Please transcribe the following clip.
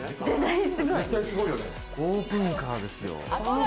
オープンカーですよ。